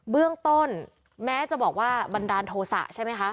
เบื้องต้นแม้จะบอกว่าบันดาลโทษะใช่ไหมคะ